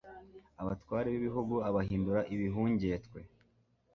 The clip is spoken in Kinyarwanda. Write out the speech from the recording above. abatware b'igihugu abahindura ibihungetwe